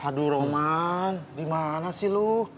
haduh roman dimana sih lu